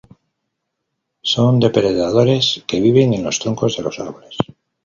Son depredadores que viven en los troncos de los árboles.